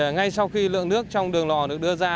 ngay sau khi lượng nước trong đường lò được đưa ra